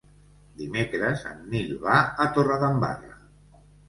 Dimecres en Nil va a Torredembarra.